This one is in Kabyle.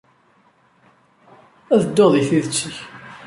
Ad dduɣ di tidet-ik.